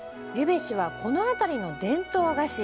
柚餅子は、この辺りの伝統菓子。